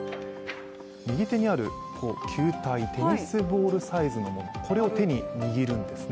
右手にある球体、テニスボールサイズのもの、これを手に握るんですね。